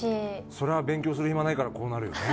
そりゃ勉強するヒマないからこうなるよね。